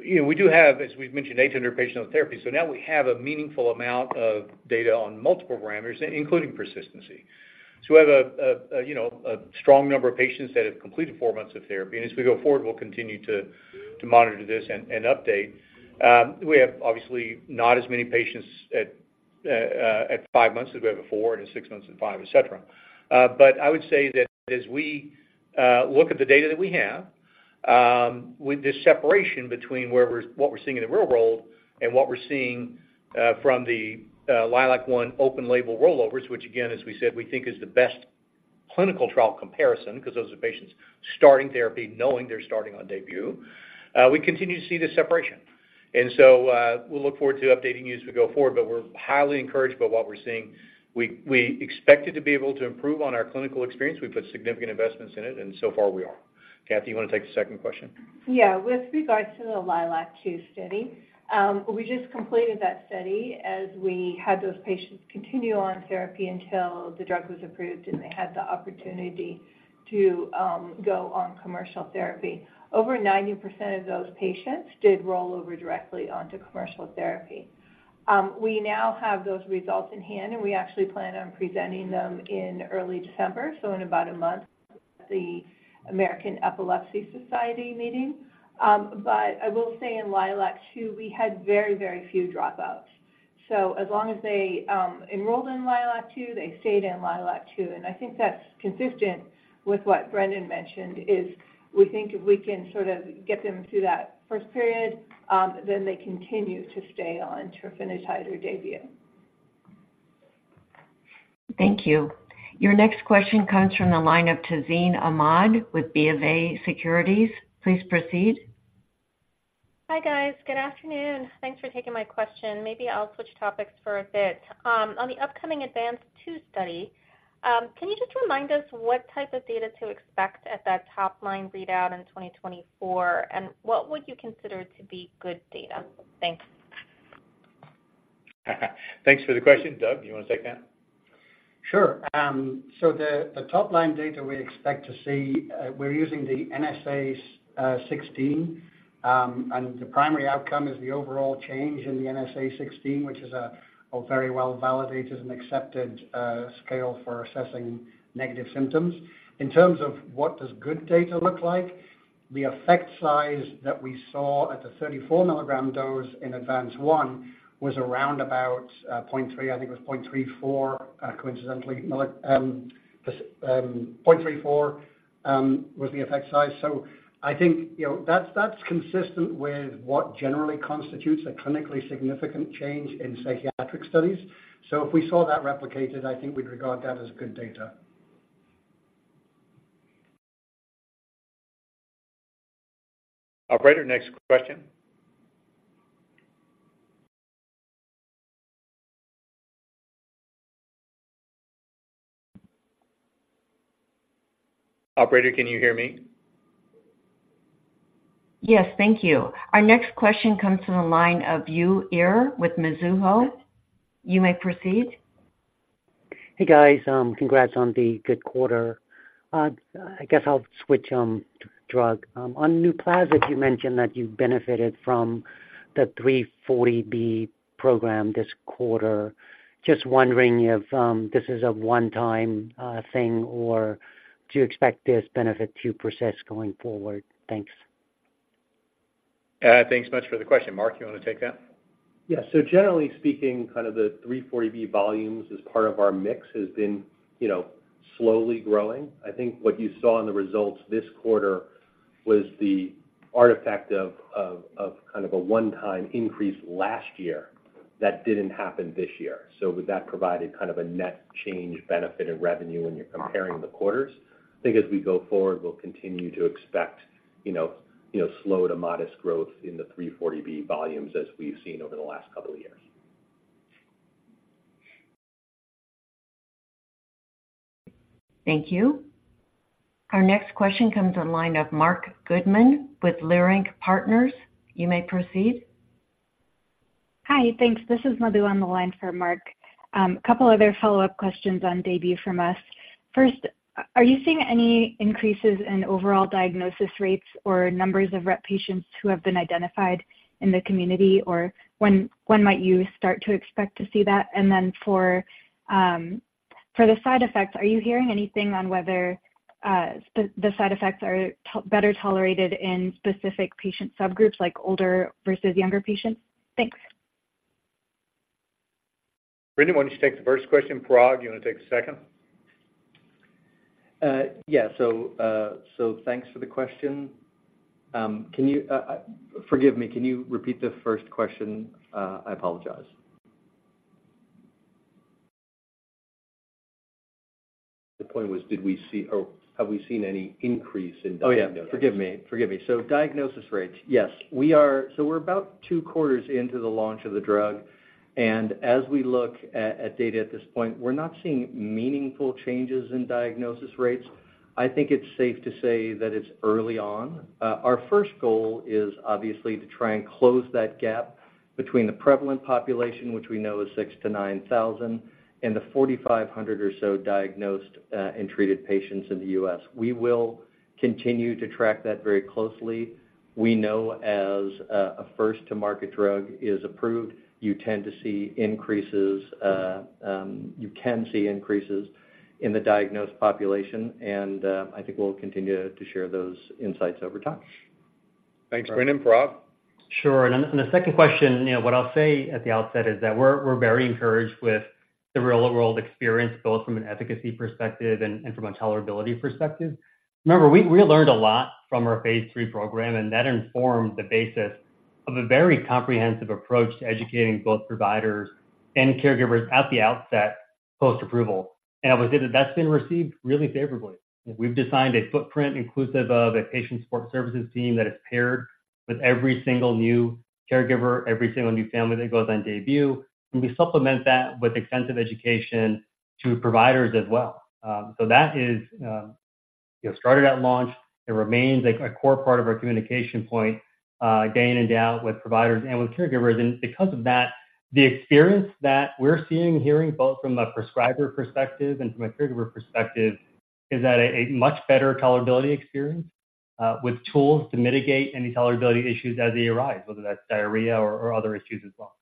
You know, we do have, as we've mentioned, 800 patients on therapy, so now we have a meaningful amount of data on multiple parameters, including persistency. So we have, you know, a strong number of patients that have completed four months of therapy, and as we go forward, we'll continue to monitor this and update. We have obviously not as many patients at 5 months as we have at four, and at six months and five, et cetera. But I would say that as we look at the data that we have with this separation between what we're seeing in the real world and what we're seeing from the LILAC-I open label rollovers, which again, as we said, we think is the best clinical trial comparison, because those are patients starting therapy, knowing they're starting on DAYBUE. We continue to see this separation. And so, we'll look forward to updating you as we go forward, but we're highly encouraged by what we're seeing. We expected to be able to improve on our clinical experience. We put significant investments in it, and so far we are. Kathy, you want to take the second question? Yeah. With regards to the LILAC-II study, we just completed that study as we had those patients continue on therapy until the drug was approved and they had the opportunity to go on commercial therapy. Over 90% of those patients did roll over directly onto commercial therapy. We now have those results in hand, and we actually plan on presenting them in early December, so in about a month, at the American Epilepsy Society meeting. But I will say in LILAC-II, we had very, very few dropouts. So as long as they enrolled in LILAC-II, they stayed in LILAC-II, and I think that's consistent with what Brendan mentioned, is we think if we can sort of get them through that first period, then they continue to stay on trofinetide or DAYBUE. Thank you. Your next question comes from the line of Tazeen Ahmad with BofA Securities. Please proceed. Hi, guys. Good afternoon. Thanks for taking my question. Maybe I'll switch topics for a bit. On the upcoming ADVANCE-2 study, can you just remind us what type of data to expect at that top-line readout in 2024? And what would you consider to be good data? Thanks. Thanks for the question. Doug, you want to take that? Sure. So the top line data we expect to see, we're using the NSA-16, and the primary outcome is the overall change in the NSA-16, which is a very well validated and accepted scale for assessing negative symptoms. In terms of what does good data look like, the effect size that we saw at the 34 mg dose in ADVANCE-1 was around about 0.3, I think it was 0.34, coincidentally. This 0.34 was the effect size. So I think, you know, that's consistent with what generally constitutes a clinically significant change in psychiatric studies. So if we saw that replicated, I think we'd regard that as good data. Operator, next question. Operator, can you hear me? Yes, thank you. Our next question comes from the line of Uy Ear with Mizuho. You may proceed. Hey, guys, congrats on the good quarter. I guess I'll switch drug. On NUPLAZID, you mentioned that you benefited from the 340B program this quarter. Just wondering if this is a one-time thing, or do you expect this benefit to persist going forward? Thanks. Thanks much for the question. Mark, you want to take that? Yeah. So generally speaking, kind of the 340B volumes as part of our mix has been, you know, slowly growing. I think what you saw in the results this quarter was the artifact of kind of a one-time increase last year. That didn't happen this year. So with that, provided kind of a net change benefit in revenue when you're comparing the quarters. I think as we go forward, we'll continue to expect, you know, you know, slow to modest growth in the 340B volumes as we've seen over the last couple of years. Thank you. Our next question comes on the line of Marc Goodman with Leerink Partners. You may proceed. Hi, thanks. This is Madhu on the line for Mark. A couple other follow-up questions on DAYBUE from us. First, are you seeing any increases in overall diagnosis rates or numbers of Rett patients who have been identified in the community? Or when might you start to expect to see that? And then for the side effects, are you hearing anything on whether the side effects are better tolerated in specific patient subgroups, like older versus younger patients? Thanks. Brendan, why don't you take the first question? Parag, you want to take the second? Yeah. So, thanks for the question. Can you forgive me, can you repeat the first question? I apologize. The point was, did we see or have we seen any increase in diagnosis? Oh, yeah. Forgive me, forgive me. So diagnosis rates. Yes, we are. So we're about two quarters into the launch of the drug, and as we look at data at this point, we're not seeing meaningful changes in diagnosis rates. I think it's safe to say that it's early on. Our first goal is obviously to try and close that gap between the prevalent population, which we know is 6,000-9,000, and the 4,500 or so diagnosed and treated patients in the U.S. We will continue to track that very closely. We know as a first-to-market drug is approved, you tend to see increases, you can see increases in the diagnosed population, and I think we'll continue to share those insights over time. Thanks, Brendan. Parag? Sure. And then the second question, you know, what I'll say at the outset is that we're very encouraged with the real-world experience, both from an efficacy perspective and from a tolerability perspective. Remember, we learned a lot from our phase III program, and that informed the basis of a very comprehensive approach to educating both providers and caregivers at the outset, post-approval. And I would say that that's been received really favorably. We've designed a footprint inclusive of a patient support services team that is paired with every single new caregiver, every single new family that goes on DAYBUE, and we supplement that with extensive education to providers as well. So that is, you know, started at launch. It remains a core part of our communication point, day in and day out with providers and with caregivers. Because of that, the experience that we're seeing and hearing, both from a prescriber perspective and from a caregiver perspective, is that a much better tolerability experience with tools to mitigate any tolerability issues as they arise, whether that's diarrhea or other issues as well.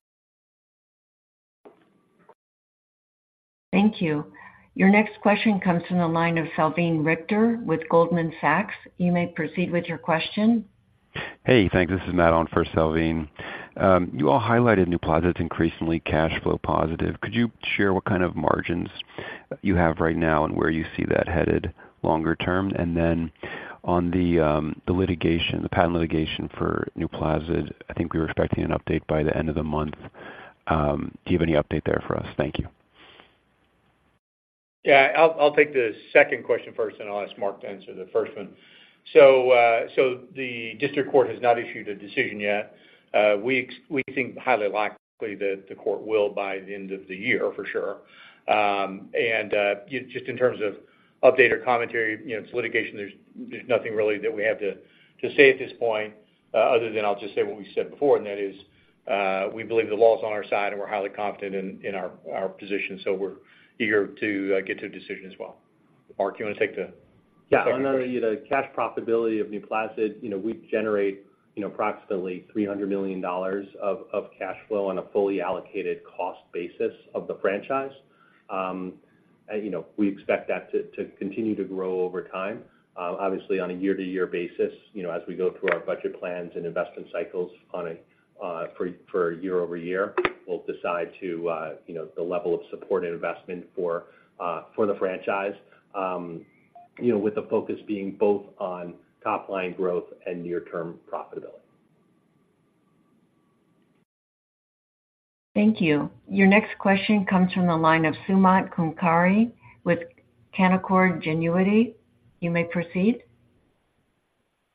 Thank you. Your next question comes from the line of Salveen Richter with Goldman Sachs. You may proceed with your question. Hey, thanks. This is Matt on for Salveen. You all highlighted NUPLAZID's increasingly cash flow positive. Could you share what kind of margins you have right now and where you see that headed longer term? And then on the litigation, the patent litigation for NUPLAZID, I think we were expecting an update by the end of the month. Do you have any update there for us? Thank you. Yeah, I'll take the second question first, and I'll ask Mark to answer the first one. So, the district court has not issued a decision yet. We think highly likely that the court will by the end of the year, for sure. And, just in terms of update or commentary, you know, it's litigation, there's nothing really that we have to say at this point, other than I'll just say what we've said before, and that is, we believe the law is on our side, and we're highly confident in our position, so we're eager to get to a decision as well. Mark, you want to take the second one? Yeah. On the cash profitability of NUPLAZID, you know, we generate, you know, approximately $300 million of cash flow on a fully allocated cost basis of the franchise. And, you know, we expect that to continue to grow over time. Obviously, on a year-to-year basis, you know, as we go through our budget plans and investment cycles on a for year-over-year, we'll decide to, you know, the level of support and investment for the franchise, you know, with the focus being both on top line growth and near-term profitability. Thank you. Your next question comes from the line of Sumant Kulkarni with Canaccord Genuity. You may proceed.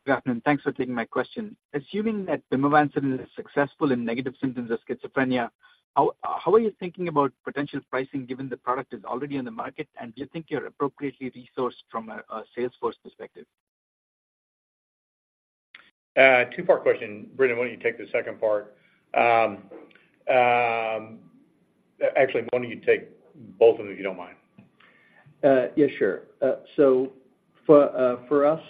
Good afternoon, thanks for taking my question. Assuming that pimavanserin is successful in negative symptoms of schizophrenia, how are you thinking about potential pricing, given the product is already on the market? And do you think you're appropriately resourced from a sales force perspective? Two-part question. Brendan, why don't you take the second part? Actually, why don't you take both of them, if you don't mind? Yeah, sure. So for us,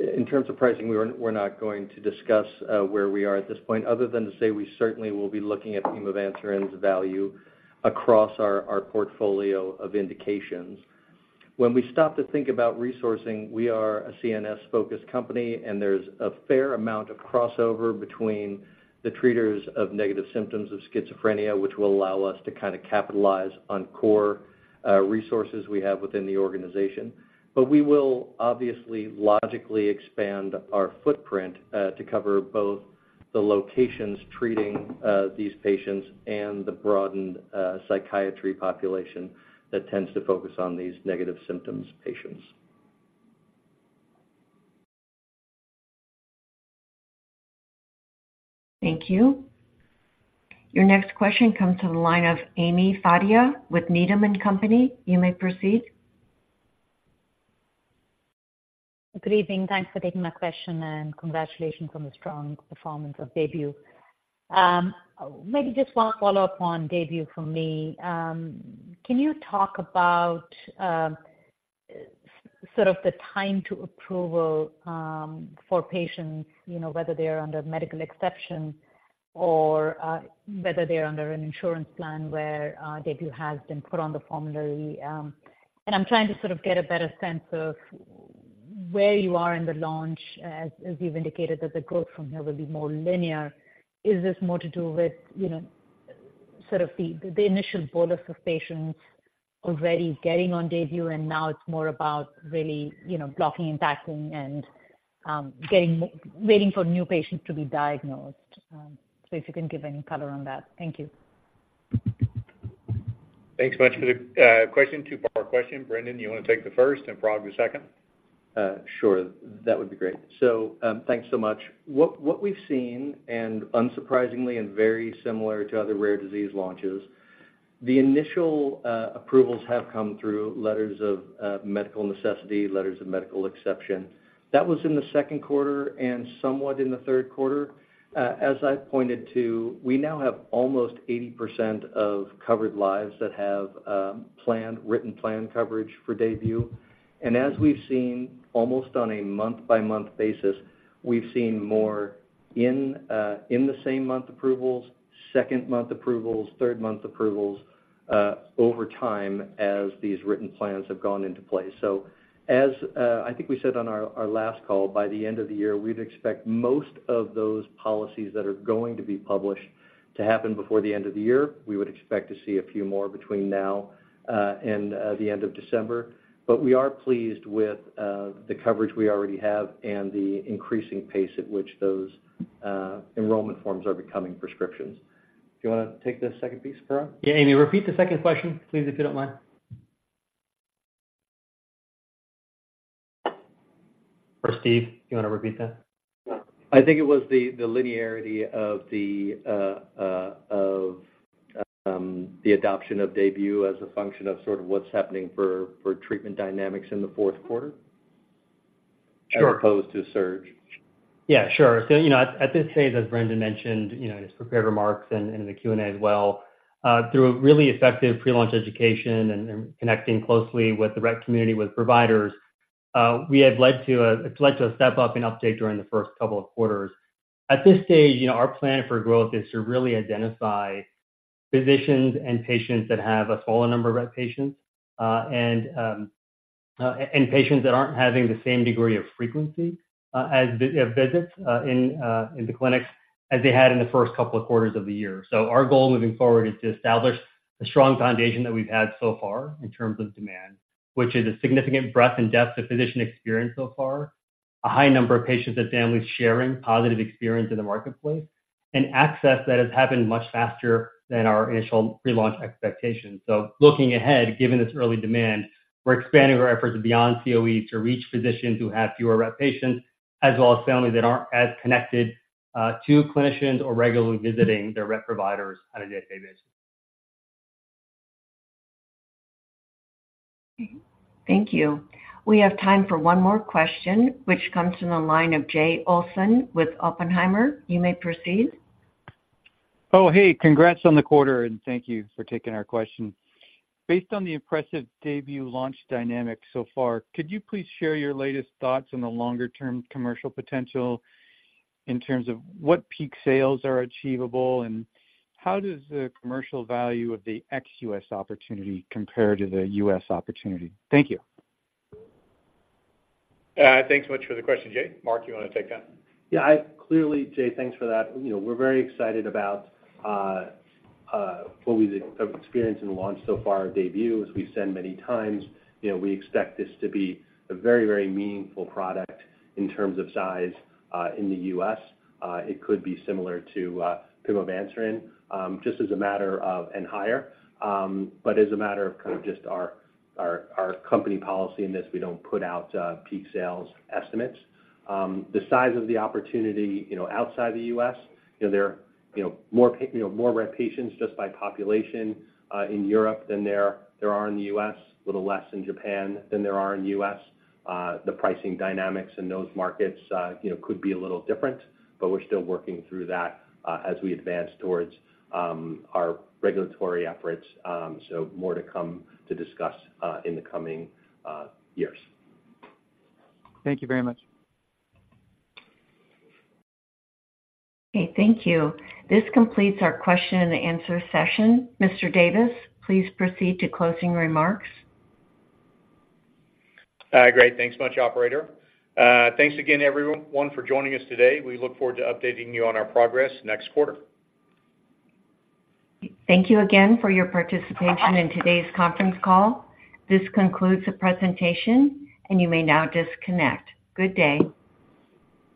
in terms of pricing, we're not going to discuss where we are at this point, other than to say we certainly will be looking at pimavanserin's value across our portfolio of indications. When we stop to think about resourcing, we are a CNS-focused company, and there's a fair amount of crossover between the treaters of negative symptoms of schizophrenia, which will allow us to kind of capitalize on core resources we have within the organization. But we will obviously logically expand our footprint to cover both the locations treating these patients and the broadened psychiatry population that tends to focus on these negative symptoms patients. Thank you. Your next question comes from the line of Ami Fadia with Needham and Company. You may proceed. Good evening. Thanks for taking my question, and congratulations on the strong performance of DAYBUE. Maybe just one follow-up on DAYBUE for me. Can you talk about sort of the time to approval for patients, you know, whether they are under medical exception or whether they're under an insurance plan where DAYBUE has been put on the formulary? And I'm trying to sort of get a better sense of where you are in the launch as you've indicated that the growth from here will be more linear. Is this more to do with you know sort of the initial bolus of patients already getting on DAYBUE, and now it's more about really you know blocking and tackling and getting, waiting for new patients to be diagnosed? So if you can give any color on that. Thank you. Thanks much for the question. Two-part question. Brendan, you want to take the first and Parag, the second? Sure. That would be great. So, thanks so much. What we've seen, and unsurprisingly and very similar to other rare disease launches, the initial approvals have come through letters of medical necessity, letters of medical exception. That was in the second quarter and somewhat in the third quarter. As I've pointed to, we now have almost 80% of covered lives that have planned, written plan coverage for DAYBUE. And as we've seen, almost on a month-by-month basis, we've seen more in the same month approvals, second-month approvals, third-month approvals, over time as these written plans have gone into place. So as I think we said on our last call, by the end of the year, we'd expect most of those policies that are going to be published to happen before the end of the year. We would expect to see a few more between now and the end of December. But we are pleased with the coverage we already have and the increasing pace at which those enrollment forms are becoming prescriptions. Do you wanna take the second piece, Parag? Yeah, Ami, repeat the second question, please, if you don't mind. Or Steve, do you wanna repeat that? I think it was the linearity of the adoption of DAYBUE as a function of sort of what's happening for treatment dynamics in the fourth quarter- Sure. - as opposed to a surge. Yeah, sure. So, you know, at this stage, as Brendan mentioned, you know, in his prepared remarks and in the Q&A as well, through a really effective pre-launch education and connecting closely with the Rett community, with providers, we have led to a step-up in uptake during the first couple of quarters. At this stage, you know, our plan for growth is to really identify physicians and patients that have a smaller number of Rett patients, and patients that aren't having the same degree of frequency, as visits, in the clinics as they had in the first couple of quarters of the year. So our goal moving forward is to establish a strong foundation that we've had so far in terms of demand, which is a significant breadth and depth of physician experience so far, a high number of patients and families sharing positive experience in the marketplace, and access that has happened much faster than our initial pre-launch expectations. So looking ahead, given this early demand, we're expanding our efforts beyond COE to reach physicians who have fewer RET patients, as well as families that aren't as connected to clinicians or regularly visiting their RET providers on a day-to-day basis. Thank you. We have time for one more question, which comes from the line of Jay Olson with Oppenheimer. You may proceed. Oh, hey, congrats on the quarter, and thank you for taking our question. Based on the impressive DAYBUE launch dynamics so far, could you please share your latest thoughts on the longer-term commercial potential in terms of what peak sales are achievable, and how does the commercial value of the ex-US opportunity compare to the U.S. opportunity? Thank you. Thanks so much for the question, Jay. Mark, you want to take that? Yeah, clearly, Jay, thanks for that. You know, we're very excited about what we have experienced in the launch so far of DAYBUE. As we've said many times, you know, we expect this to be a very, very meaningful product in terms of size in the U.S. It could be similar to pimavanserin, just as a matter of, and higher, but as a matter of kind of just our company policy in this, we don't put out peak sales estimates. The size of the opportunity, you know, outside the U.S., you know, there are, you know, more you know, more Rett patients just by population in Europe than there are in the U.S., little less in Japan than there are in the U.S. The pricing dynamics in those markets, you know, could be a little different, but we're still working through that, as we advance towards our regulatory efforts. So more to come to discuss in the coming years. Thank you very much. Okay, thank you. This completes our question and answer session. Mr. Davis, please proceed to closing remarks. Great. Thanks much, operator. Thanks again, everyone, for joining us today. We look forward to updating you on our progress next quarter. Thank you again for your participation in today's conference call. This concludes the presentation, and you may now disconnect. Good day!